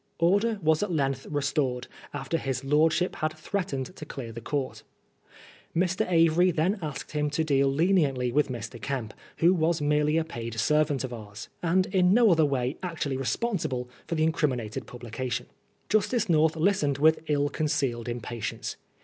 Order was at length restored after his lordship had threatened to clear the court. Mr. Avory then asked him to deal leniently with Mr. Kemp, who was merely a paid servant of ours, and in no other way actually responsible for the incriminated publication. Justice North listened with ill concealed impatience.